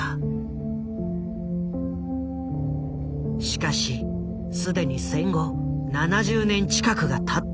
しかし既に戦後７０年近くがたっていた。